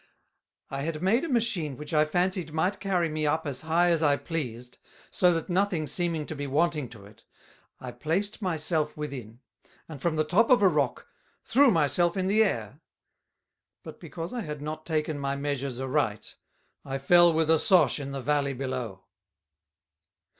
I had made a Machine which I fancied might carry me up as high as I pleased, so that nothing seeming to be wanting to it, I placed my self within, and from the Top of a Rock threw my self in the Air: But because I had not taken my measures aright, I fell with a sosh in the Valley below.